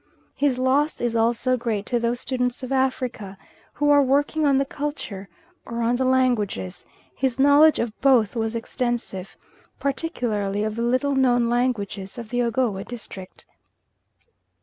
His loss is also great to those students of Africa who are working on the culture or on the languages; his knowledge of both was extensive, particularly of the little known languages of the Ogowe district.